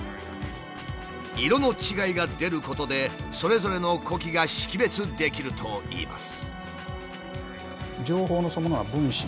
色の違いが出ることでそれぞれの呼気が識別できるといいます。